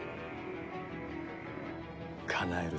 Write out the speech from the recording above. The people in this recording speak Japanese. かなえる